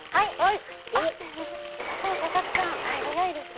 千葉さん、佐々木さん、早いですね。